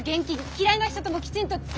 嫌いな人ともきちんとつきあえ」！